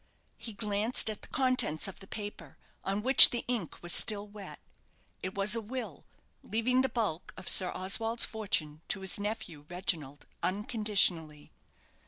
He glanced at the contents of the paper, on which the ink was still wet. It was a will, leaving the bulk of Sir Oswald's fortune to his nephew, Reginald, unconditionally.